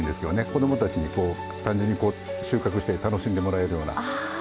子供たちに単純に収穫して楽しんでもらえるような。